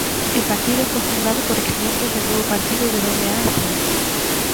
El partido fue fundado por ex miembros del Nuevo Partido Wafd.